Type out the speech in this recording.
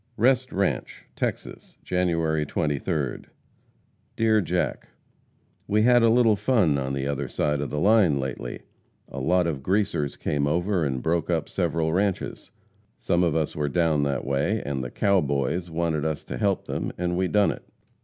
REST RANCHE, TEXAS, January 23d. DEAR JACK: We had a little fun on the other side of the line lately. A lot of Greasers came over and broke up several ranches. Some of us were down that way, and "the cow boys" wanted us to help them and we done it.